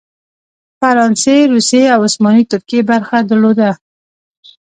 فرانسې، روسیې او عثماني ترکیې برخه درلوده.